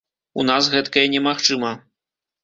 У нас гэткае немагчыма.